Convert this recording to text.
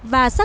và xác nhận